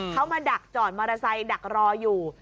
เขามาดักจอดมอเตอร์ไซค์ดักรออยู่